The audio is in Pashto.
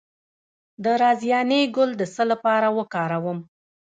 د رازیانې ګل د څه لپاره وکاروم؟